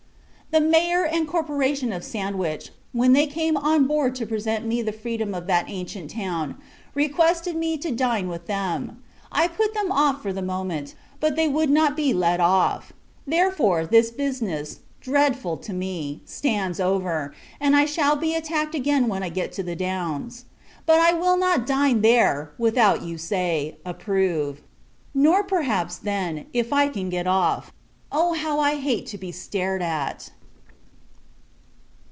The Mayor and Corporation of Sandwich, when they came on board to present me the freedom of that ancient town, requested me [to] dine with them. I put them off for the moment, but they would not be let off. Therefore, this business, dreadful to me, stands over, and I shall be attacked again when I get to the Downs. But I will not dine there, without you say, approve; nor, perhaps, then, if I can get off. Oh! how I hate to be stared at.